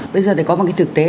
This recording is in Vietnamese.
bây giờ để có một cái thực tế